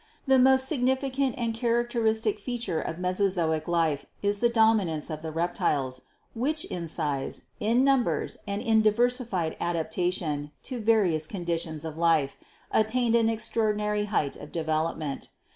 The most significant and characteristic feature of Mesozoic life is the domi nance of the Reptiles, which, in size, in numbers and in diversified adaptation to various conditions of life, at tained an extraordinary height of development.